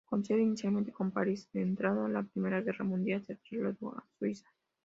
Con sede inicialmente en París, entrada la Primera Guerra Mundial se trasladó a Suiza.